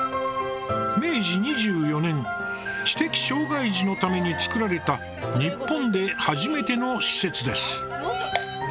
明治２４年、知的障害児のために作られた日本で初めての施設です。